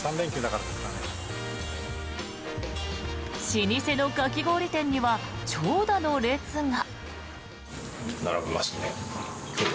老舗のかき氷店には長蛇の列が。